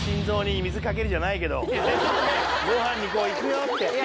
じゃないけどご飯にこう行くよって。